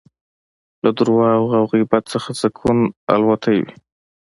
له درواغو او غیبت څخه سکون الوتی وي